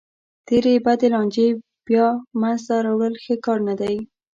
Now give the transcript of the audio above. تېرې بدې لانجې بیا منځ ته راوړل ښه کار نه دی.